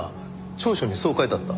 調書にそう書いてあった。